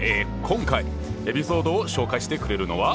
今回エピソードを紹介してくれるのは。